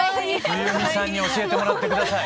冬美さんに教えてもらって下さい。